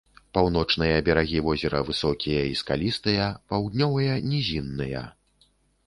Паўночныя берагі возера высокія і скалістыя, паўднёвыя нізінныя.